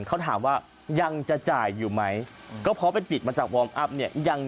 เขาถามว่ายังจะจ่ายอยู่ไหมก็เพราะไปปิดมาจากวอร์มอัพเนี่ยยัง